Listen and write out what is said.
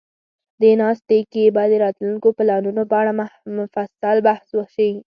دې ناسته کې به د راتلونکو پلانونو په اړه مفصل بحث وشي.